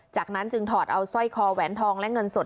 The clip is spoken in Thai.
จากนั้นจึงถอดเอาสร้อยคอแหวนทองและเงินสด